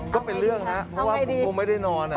ก็เป็นเรื่องครับเพราะว่าผมคงไม่ได้นอน